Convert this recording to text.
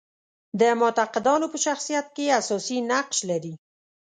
د معتقدانو په شخصیت کې اساسي نقش لري.